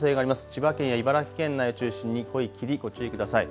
千葉県や茨城県内を中心に濃い霧、注意してください。